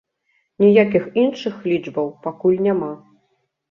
Ніякіх іншых лічбаў пакуль няма.